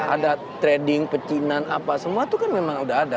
ada trading pecinan apa semua itu kan memang udah ada